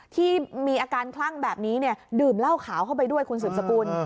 ที่มีอาการคลั่งแบบนี้ดื่มเหล้าขาวเข้าไปด้วยคุณสืบสกุล